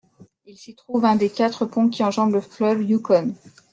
Il s'y trouve un des quatre ponts qui enjambent le fleuve Yukon.